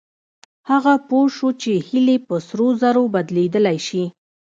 هغه پوه شو چې هيلې په سرو زرو بدلېدلای شي.